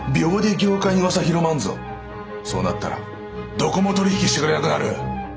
そうなったらどこも取り引きしてくれなくなる！